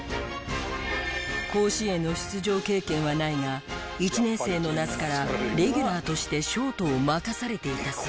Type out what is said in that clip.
甲子園の出場経験はないが１年生の夏からレギュラーとしてショートを任されていたそう。